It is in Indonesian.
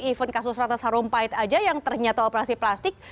even kasus ratna sarumpait aja yang ternyata operasi plastik